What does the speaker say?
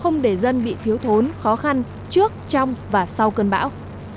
người dân bị thiếu thốn khó khăn trước trong và sau cơn bão